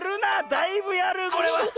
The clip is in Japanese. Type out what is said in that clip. だいぶやるこれは。